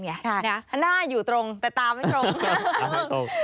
หน้าอยู่ตรงแต่ตาไม่ตรง